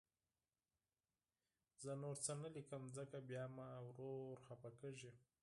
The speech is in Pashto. زه نور څه نه لیکم، ځکه بیا مې ورور خفه کېږي